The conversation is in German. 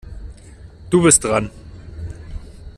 Du bist dran.